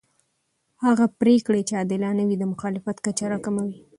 هغه پرېکړې چې عادلانه وي د مخالفت کچه راکموي